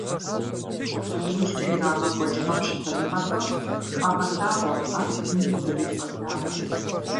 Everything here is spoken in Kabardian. Иужькӏэ ирагъэкӏуэкӏ къэпщытэныгъэхэм къагъэлъагъуэ ар бзум къызэрицӏэлар.